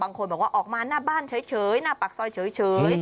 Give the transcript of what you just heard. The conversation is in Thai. บางคนบอกว่าออกมาหน้าบ้านเฉยหน้าปากซอยเฉย